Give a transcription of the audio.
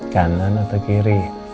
kanan atau kiri